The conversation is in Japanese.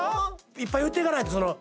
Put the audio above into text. いっぱい言っていかないと。